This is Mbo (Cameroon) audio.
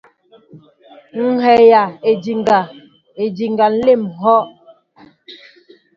Ŋhɛjaʼédiŋga, édiŋga nlém ŋhɔʼ.